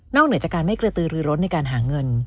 เหนือจากการไม่กระตือรือรสในการหาเงิน